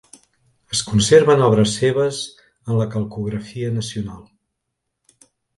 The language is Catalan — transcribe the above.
Es conserven obres seves en la Calcografia Nacional.